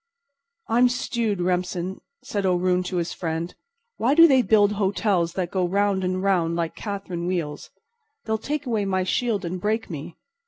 "I'm stewed, Remsen," said O'Roon to his friend. "Why do they build hotels that go round and round like catherine wheels? They'll take away my shield and break me.